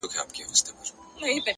له نورو زده کړه حکمت دی,